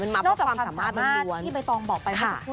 มันมาเพราะความสามารถทั้งด้านลวน